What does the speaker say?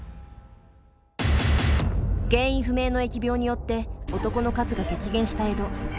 原因不明の疫病によって男の数が激減した江戸。